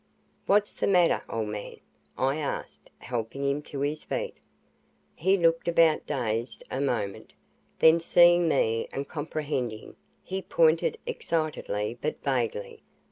"What's the matter, old man?" I asked, helping him to his feet. He looked about dazed a moment, then seeing me and comprehending, he pointed excitedly, but vaguely.